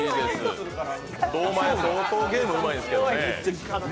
堂前、相当ゲームうまいんですけどね。